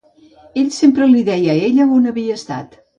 Ell sempre li deia a ella on havia estat.